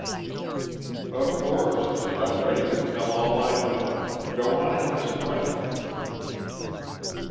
"Of course, and I'm ready to tell all I know. Go on and ask questions."